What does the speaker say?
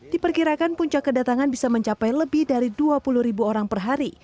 diperkirakan puncak kedatangan bisa mencapai lebih dari dua puluh ribu orang per hari